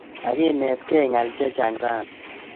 Kakinetkey ng'al chechang' rani